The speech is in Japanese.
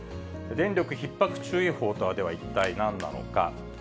電力ひっ迫注意報とは、では一体何なのか。